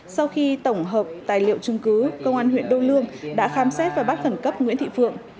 sau khi tổng hợp tài liệu chứng cứ công an huyện đô lương đã khám xét và bắt khẩn cấp nguyễn thị phượng